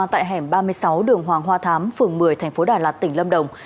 tại hẻm ba mươi sáu đường hoàng hoa thám phường một mươi thành phố đà lạt tỉnh lâm đồng